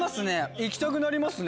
行きたくなりますね。